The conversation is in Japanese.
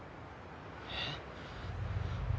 えっ？